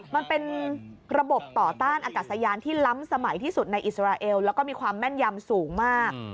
มันเป็นระบบต่อต้านอากาศยานที่ล้ำสมัยที่สุดในอิสราเอลแล้วก็มีความแม่นยำสูงมาก